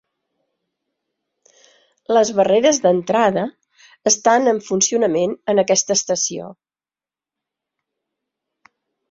Les barreres d'entrada estan en funcionament en aquesta estació.